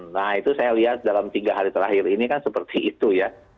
nah itu saya lihat dalam tiga hari terakhir ini kan seperti itu ya